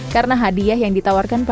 karena hadiah yang ditawarkan pada